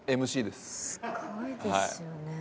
すごいですよね。